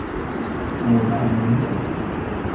五代名将。